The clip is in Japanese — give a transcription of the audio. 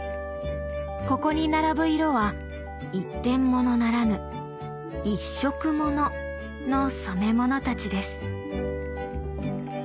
ここに並ぶ色は一点ものならぬ「一色もの」の染め物たちです。